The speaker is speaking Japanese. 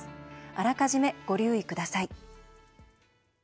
あらかじめ、ご留意ください。